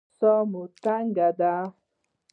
ایا ساه مو تنګه ده؟